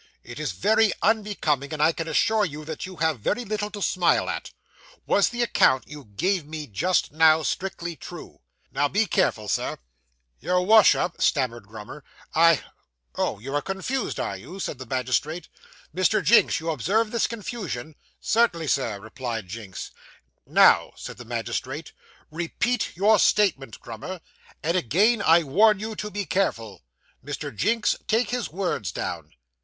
It is very unbecoming, and I can assure you that you have very little to smile at. Was the account you gave me just now strictly true? Now be careful, sir!' Your Wash up,' stammered Grummer, 'I ' 'Oh, you are confused, are you?' said the magistrate. 'Mr. Jinks, you observe this confusion?' 'Certainly, Sir,' replied Jinks. 'Now,' said the magistrate, 'repeat your statement, Grummer, and again I warn you to be careful. Mr. Jinks, take his words down.